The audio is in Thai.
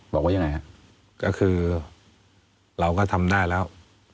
บอกว่ายังไงฮะก็คือเราก็ทำได้แล้ว